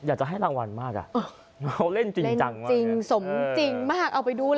อยากจะให้รางวัลมาก